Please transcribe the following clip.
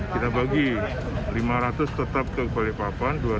kita bagi lima ratus tetap ke balikpapan